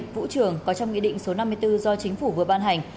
vũ trường có trong nghị định số năm mươi bốn do chính phủ vừa ban hành